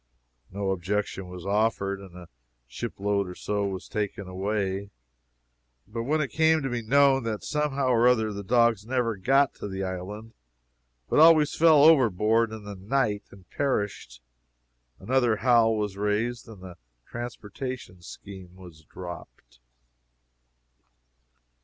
No objection was offered, and a ship load or so was taken away. But when it came to be known that somehow or other the dogs never got to the island, but always fell overboard in the night and perished, another howl was raised and the transportation scheme was dropped.